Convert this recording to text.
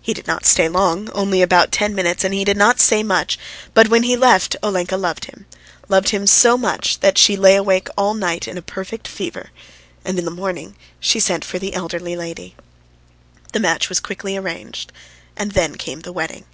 He did not stay long, only about ten minutes, and he did not say much, but when he left, Olenka loved him loved him so much that she lay awake all night in a perfect fever, and in the morning she sent for the elderly lady. The match was quickly arranged, and then came the wedding.